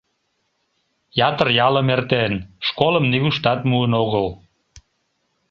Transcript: Ятыр ялым эртен — школым нигуштат муын огыл.